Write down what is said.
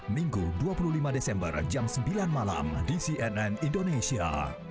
minggu dua puluh lima desember jam sembilan malam di cnn indonesia